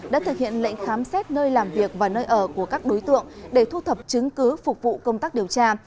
đã thực hiện lệnh khám xét nơi làm việc và nơi ở của các đối tượng để thu thập chứng cứ phục vụ công tác điều tra